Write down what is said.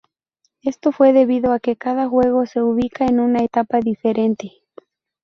Esto fue debido a que cada juego se ubica en una etapa diferente.